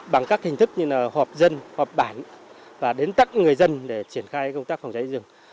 bằng các hình thức như là họp dân họp bản và đến tặng người dân để triển khai công tác phòng cháy rừng